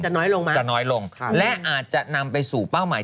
น้อยลงมาจะน้อยลงและอาจจะนำไปสู่เป้าหมาย